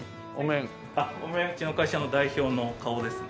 お面うちの会社の代表の顔ですね。